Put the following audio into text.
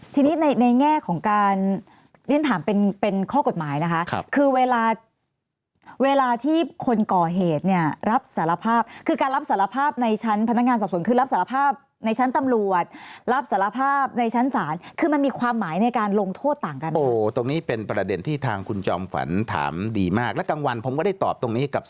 ทีนี้ในในแง่ของการเรียนถามเป็นเป็นข้อกฎหมายนะคะคือเวลาเวลาที่คนก่อเหตุเนี่ยรับสารภาพคือการรับสารภาพในชั้นพนักงานสอบสวนคือรับสารภาพในชั้นตำรวจรับสารภาพในชั้นศาลคือมันมีความหมายในการลงโทษต่างกันไหมโอ้โหตรงนี้เป็นประเด็นที่ทางคุณจอมฝันถามดีมากแล้วกลางวันผมก็ได้ตอบตรงนี้กับ